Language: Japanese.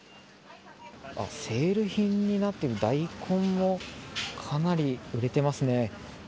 セール品になっている大根かなり売れてますね。